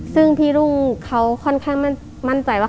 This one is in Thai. ซึ่งพี่รุ่งเขาค่อนข้างมั่นใจว่า